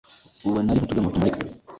ubona ari nk'utudomo tumurika.